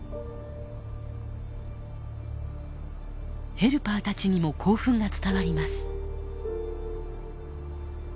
ヘルパーたちにも興奮が伝わります。